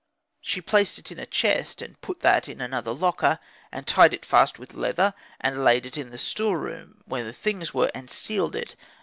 She placed it in a chest, and put that in another locker, and tied it fast with leather, and layed it in the store room, where the things were, and sealed it.